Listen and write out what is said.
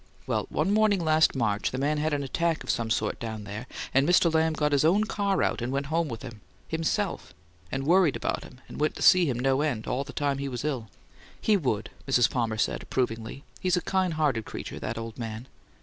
Well, one morning last March the man had an attack of some sort down there, and Mr. Lamb got his own car out and went home with him, himself, and worried about him and went to see him no end, all the time he was ill." "He would," Mrs. Palmer said, approvingly. "He's a kind hearted creature, that old man."